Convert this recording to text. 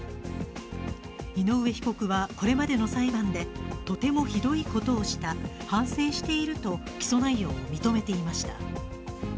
井上被告はこれまでの裁判でとてもひどいことをした反省していると起訴内容を認めていました。